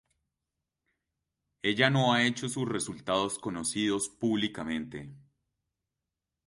Ella no ha hecho sus resultados conocidos públicamente.